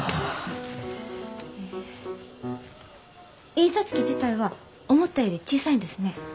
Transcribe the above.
印刷機自体は思ったより小さいんですね。